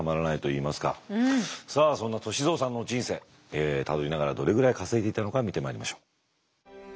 さあそんな歳三さんの人生たどりながらどれぐらい稼いでいたのか見てまいりましょう。